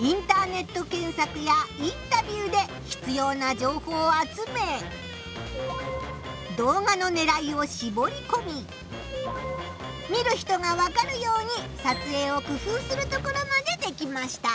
インターネット検索やインタビューでひつような情報を集め動画のねらいをしぼりこみ見る人がわかるように撮影を工夫するところまでできました。